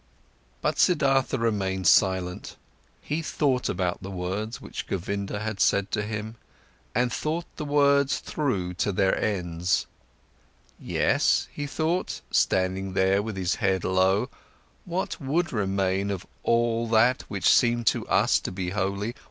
But Siddhartha remained silent. He thought about the words which Govinda had said to him and thought the words through to their end. Yes, he thought, standing there with his head low, what would remain of all that which seemed to us to be holy?